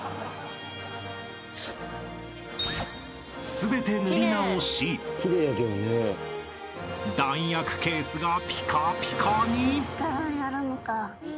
［全て塗り直し弾薬ケースがピカピカに］